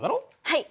はい。